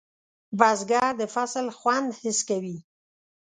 بزګر د فصل خوند حس کوي